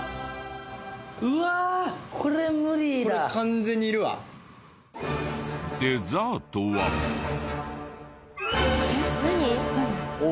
これ完全にいるわ。デザートは。えっ？